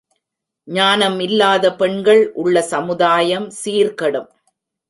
ஞானம் இல்லாதபெண்கள் உள்ள சமுதாயம் சீர்கெடும்.